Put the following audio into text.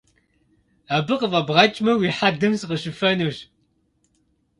Абы къыфӏэбгъэкӏмэ уи хьэдэм сыкъыщыфэнущ!